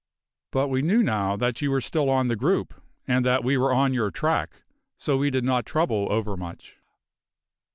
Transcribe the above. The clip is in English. But we knew now that you were still on the group, and that we were on your track; so we did not trouble overmuch.